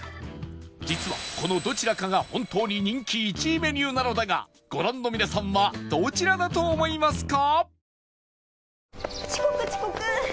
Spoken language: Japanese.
実はこのどちらかが本当に人気１位メニューなのだがご覧の皆さんはどちらだと思いますか？